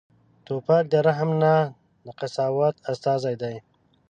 توپک د رحم نه، د قساوت استازی دی.